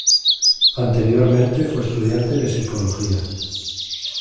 Anteriormente fue estudiante de psicología.